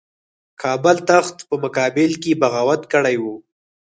کابل تخت په مقابل کې بغاوت کړی وو.